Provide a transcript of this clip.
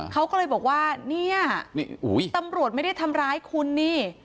เขาก็เลยบอกว่าเนี่ยตำรวจไม่ได้ทำร้ายคุณนี่